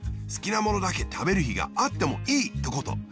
すきなものだけたべるひがあってもいいってこと。